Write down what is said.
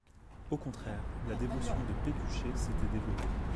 Au contraire, la dévotion de Pécuchet s'était développée.